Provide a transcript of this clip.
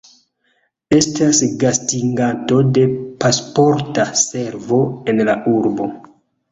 Estas gastiganto de Pasporta Servo en la urbo.